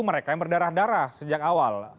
mereka yang berdarah darah sejak awal